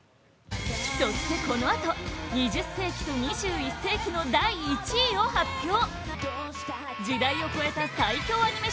そして、このあと２０世紀と２１世紀の第１位を発表！